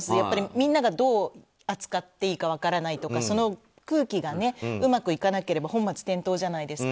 みんながどう扱っていいか分からないとかその空気がうまくいかなければ本末転倒じゃないですか。